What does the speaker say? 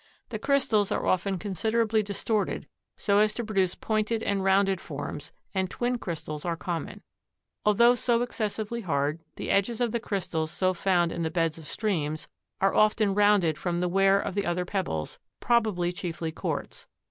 The crystals are often considerably distorted so as to produce pointed and rounded forms, and twin crystals are common. Although so excessively hard the edges of the crystals as found in the beds of streams are often rounded from the wear of the other pebbles, probably chiefly quartz.